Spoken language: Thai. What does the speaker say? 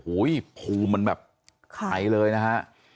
อู้หูมันแบบไขเลยนะฮะ